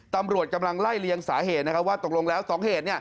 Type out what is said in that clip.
ตำรวจกำลังไล่เลียงสาเหตุว่าตกลงแล้ว๒เหตุ